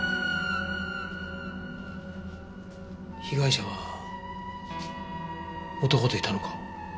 被害者は男といたのか？